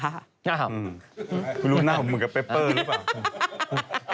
คุณรู้หน้าผมเหมือนกับเปเปอร์หรือเปล่า